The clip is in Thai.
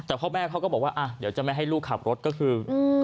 แต่พ่อแม่เขาก็บอกว่าเดี๋ยวจะไม่ให้ลูกขับรถก็คือ